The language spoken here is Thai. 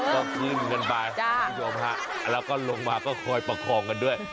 กลับขึ้นกันไปแล้วก็ลงมาครอยประคองกันด้วย